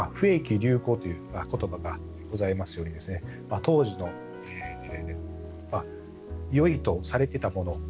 流行ということばがございますように当時のよいとされていたもの。